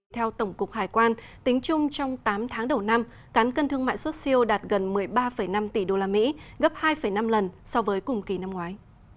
theo tổng cục hải quan tính chung trong tám tháng đầu năm cán cân thương mại xuất siêu đạt gần một mươi ba năm tỷ usd gấp hai năm lần so với cùng kỳ năm ngoái